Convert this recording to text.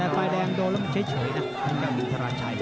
แต่ไฟแดงโดแล้วมันเฉยนะมันก็เป็นทราชัย